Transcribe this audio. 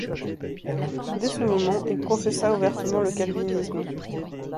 Dès ce moment, il professa ouvertement le calvinisme.